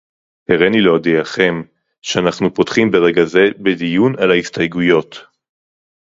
הריני להודיעכם שאנחנו פותחים ברגע זה בדיון על ההסתייגויות